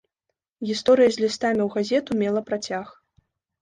Гісторыя з лістамі ў газету мела працяг.